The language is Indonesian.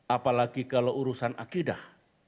apalagi kalau urusan akidah